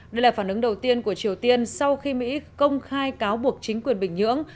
đây là phản ứng đầu tiên của triều tiên sau khi mỹ công khai cáo buộc chính quyền bình nhưỡng